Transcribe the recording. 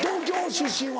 出身は。